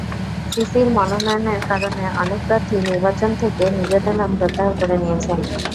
সিসির মনোনয়নের কারণে অনেক প্রার্থীই নির্বাচন থেকে নিজেদের নাম প্রত্যাহার করে নিয়েছেন।